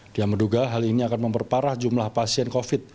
dia menduga hal ini akan memperparah jumlah pasien covid